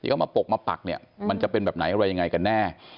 เขามาปกมาปักเนี่ยมันจะเป็นแบบไหนอะไรยังไงกันแน่